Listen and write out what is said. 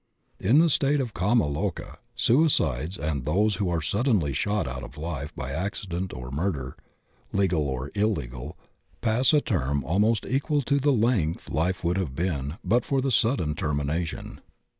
In the state of kama loka suicides and those who are suddenly shot out of life by accident or murder, legal or illegal, pass a term almost equal to the length life would have been but for the sudden termination.